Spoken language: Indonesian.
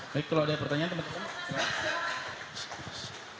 baik kalau ada pertanyaan teman teman